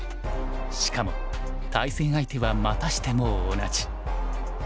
しかも対戦相手はまたしても同じ。